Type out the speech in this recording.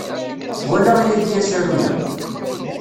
Walaɣ yagi asaru-a.